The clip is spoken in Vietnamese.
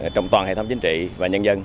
trong toàn hệ thống chính trị và nhân dân